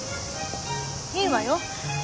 いいわよ。